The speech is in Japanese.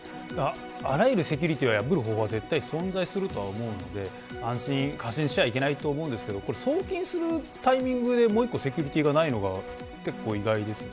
あらゆるセキュリティを破る方法は絶対存在するとは思うので過信しちゃいけないと思うんですけど送金するタイミングでもう一個セキュリティーがないのが意外です。